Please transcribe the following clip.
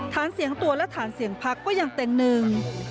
ฐานเสียงตัวและฐานเสียงพักก็ยังเต็งหนึ่ง